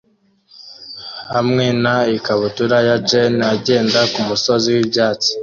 hamwe na ikabutura ya jeans agenda kumusozi wibyatsi